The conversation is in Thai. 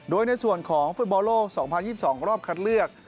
โดยในส่วนของฟุตบอลโลก๒๐๒๒รอบคัดเลือก